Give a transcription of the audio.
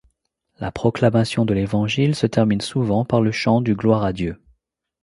La proclamation de l’évangile se termine souvent par le chant du Gloire à Dieu.